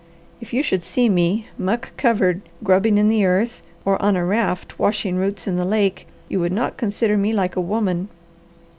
If you should see me, muck covered, grubbing in the earth or on a raft washing roots in the lake, you would not consider me like a woman."